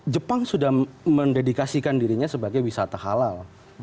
jepang sudah mendedikasikan dirinya sebagai wisata halal